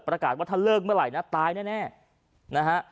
ประกาศว่าถ้าเลิกเมื่อไหร่นะตายแน่นะฮะ